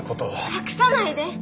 隠さないで！